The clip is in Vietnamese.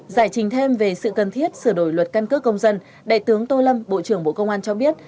giải trình thêm về sự cần thiết sửa đổi luật căn cước công dân đại tướng tô lâm bộ trưởng bộ công an cho biết